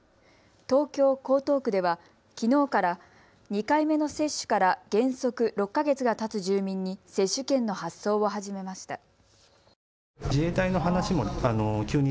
東京江東区ではきのうから２回目の接種から原則６か月がたつ住民に接種券の発送を始めました。